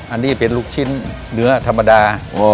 อันนี้เป็นลูกชิ้นเนื้อธรรมดา